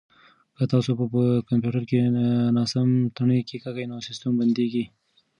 که تاسي په کمپیوټر کې ناسم تڼۍ کېکاږئ نو سیسټم بندیږي.